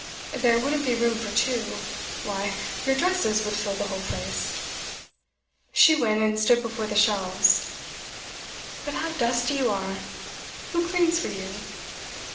'There wouldn't be room for two. Why, your dresses would fill the whole place.' She went and stood before the shelves. 'But how dusty you are! Who cleans for you?